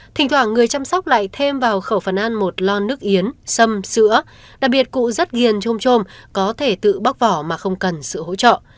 thỉnh thoảng người chăm sóc lại thêm vào khẩu phần ăn một lon nước yến xâm sữa đặc biệt cụ rất ghiền chôm chôm có thể tự bóc vỏ mà không cần sự hỗ trợ